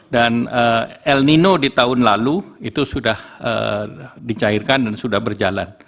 dan el nino di tahun lalu itu sudah dicairkan dan sudah berjalan